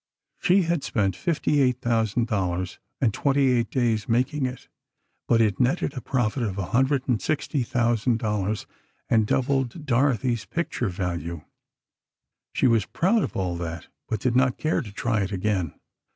She had spent fifty eight thousand dollars, and twenty eight days, making it, but it netted a profit of a hundred and sixty thousand dollars, and doubled Dorothy's picture value. She was proud of all that, but did not care to try it again.